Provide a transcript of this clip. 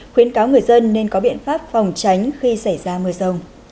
khuyến cáo người dân nên có biện pháp phòng tránh khi xảy ra mưa rông